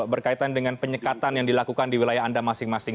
berkaitan dengan penyekatan yang dilakukan di wilayah anda masing masing